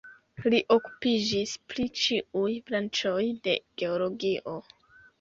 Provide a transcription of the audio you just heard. Li okupiĝis pri ĉiuj branĉoj de geologio.